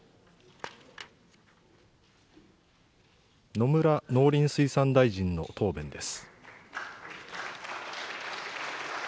野村農林水産大臣の答弁です。